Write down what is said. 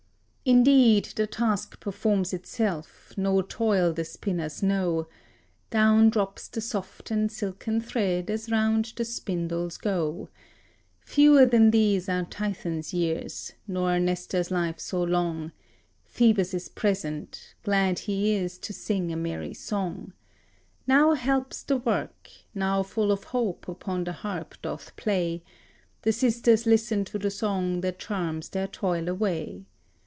Indeed, the task performs itself: no toil the spinners know: Down drops the soft and silken thread as round the spindles go; Fewer than these are Tithon's years, not Nestor's life so long. Phoebus is present: glad he is to sing a merry song; Now helps the work, now full of hope upon the harp doth play; The Sisters listen to the song that charms their toil away.